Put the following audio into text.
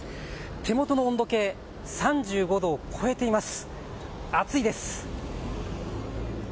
手元の温度計、３５度を超えています。